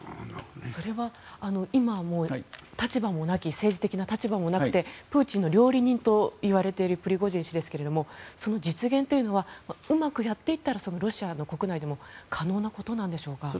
それは今はもう政治的な立場もなくてプーチンの料理人といわれているプリゴジン氏ですがその実現というのはうまくやっていったらロシア国内でも可能なことなんでしょうか。